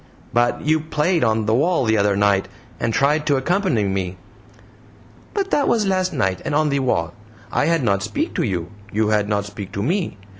"But you played on the wall the other night, and tried to accompany me." "But that was lass night and on the wall. I had not speak to you, you had not speak to me.